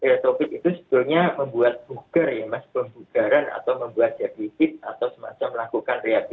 retrofit itu sebenarnya membuat buger ya mas pembugaran atau membuat jafisik atau semacam melakukan rehabilitasi